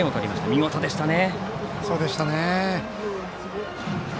見事でしたね。